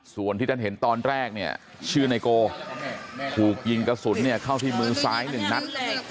ส่วนที่ท่านเห็นตอนแรกเนี่ยชื่อไนโกถูกยิงกระสุนเนี่ยเข้าที่มือซ้ายหนึ่งนัด